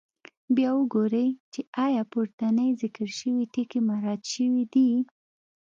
بیا وګورئ چې آیا پورتني ذکر شوي ټکي مراعات شوي دي.